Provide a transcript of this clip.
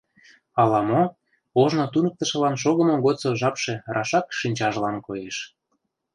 Ала-мо, ожно туныктышылан шогымо годсо жапше рашак шинчажлан коеш.